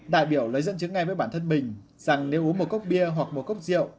đại biểu lấy dẫn chứng ngay với bản thân mình rằng nếu uống một cốc bia hoặc một cốc rượu